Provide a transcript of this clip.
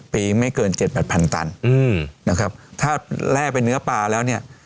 ปีไม่เกิน๗๘พันตันนะครับถ้าแร่เป็นเนื้อปลาแล้วเนี่ย